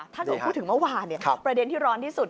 ถ้าหนูพูดถึงเมื่อวานประเด็นที่ร้อนที่สุด